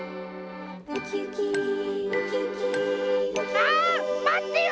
ああまってよ！